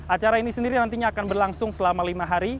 acara ini sendiri nantinya akan berlangsung selama lima hari